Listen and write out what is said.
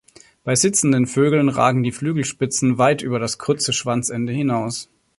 Bei sitzenden Vögeln ragen die Flügelspitzen weit über das kurze Schwanzende hinaus.